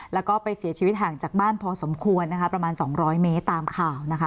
แล้วก็ไปเสียชีวิตห่างจากบ้านพอสมควรนะคะประมาณ๒๐๐เมตรตามข่าวนะคะ